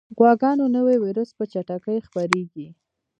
غواګانو نوی ویروس په چټکۍ خپرېږي.